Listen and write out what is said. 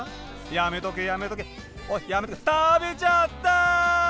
やめとけやめとけおいやめとけ食べちゃった！